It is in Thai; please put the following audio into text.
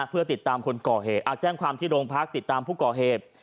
เพื่อติดตามคนก่อเหตุแจ้งความที่โรงพักติดตามผู้ก่อเหตุ